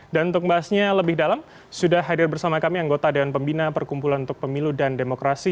untuk bahasnya lebih dalam sudah hadir bersama kami anggota dewan pembina perkumpulan untuk pemilu dan demokrasi